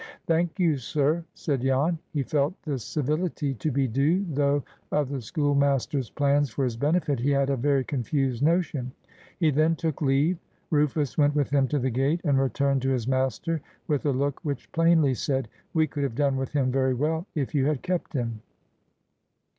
"Thank you, sir," said Jan. He felt this civility to be due, though of the schoolmaster's plans for his benefit he had a very confused notion. He then took leave. Rufus went with him to the gate, and returned to his master with a look which plainly said, "We could have done with him very well, if you had kept him."